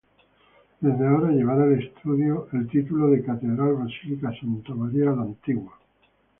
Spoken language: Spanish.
Desde ahora llevara el título de Catedral Basílica Santa Maria la Antigua.